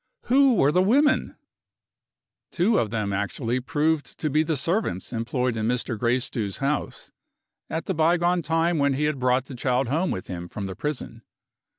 Who were the women? Two of them actually proved to be the servants employed in Mr. Gracedieu's house, at the bygone time when he had brought the child home with him from the prison!